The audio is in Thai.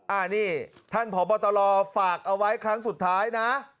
อันนี้ท่านผอบตรฝากเอาไว้ครั้งสุดท้ายนะ